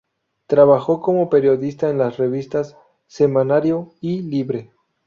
Trabajó como periodista en las revistas "Semanario" y "Libre".